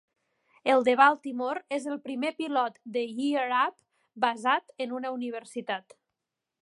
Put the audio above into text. El de Baltimore és el primer pilot de Year Up basat en una universitat.